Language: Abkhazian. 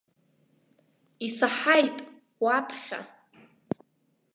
Исаҳаит, уаԥхьа!